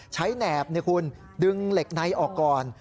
ใช้แหนบนี่คุณดึงเหล็กไนออกก่อน